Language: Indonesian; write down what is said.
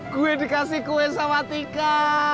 gue dikasih kue sama tika